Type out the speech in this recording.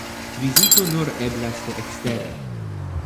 Vizito nur eblas de ekstere.